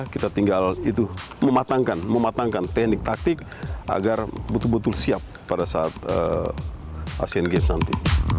kita tinggal itu mematangkan mematangkan teknik taktik agar betul betul siap pada saat asean games nanti